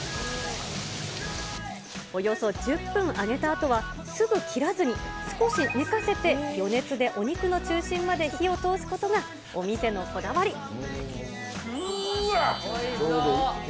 およそ１０分揚げたあとは、すぐ切らずに、少し寝かせて、余熱でお肉の中心まで火を通すことがお店のこだわり。